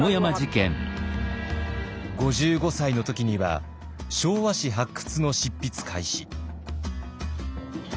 ５５歳の時には「昭和史発掘」の執筆開始。